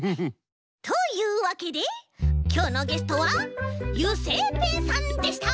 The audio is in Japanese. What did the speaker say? というわけできょうのゲストは油性ペンさんでした！